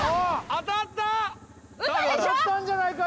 当たったんじゃないか？